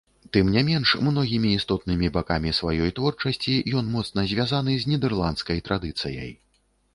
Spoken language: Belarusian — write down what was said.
Тым не менш многімі істотнымі бакамі сваёй творчасці ён моцна звязаны з нідэрландскай традыцыяй.